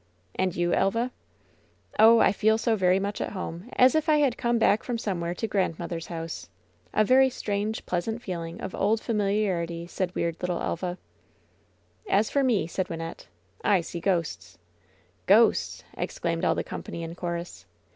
"Andyou, ElvaT ''Oh, I feel so very much at home, as if I had come back from somewhere to grandmother's house. A very strange, pleasant feeling of old familiarity," said weirA little Elva. "As for me," said Wynnette, "I see ghosts I" "Ghosts !" exclaimed all the company in chorus.